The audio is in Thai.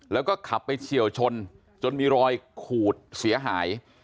แล้วก็ขับไปเฉียวชนจนมีรอยขูดเสียหาย